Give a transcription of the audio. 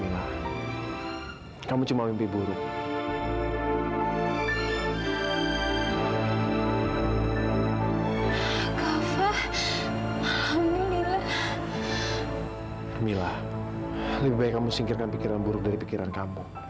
alhamdulillah lebih baik kamu singkirkan pikiran buruk dari pikiran kamu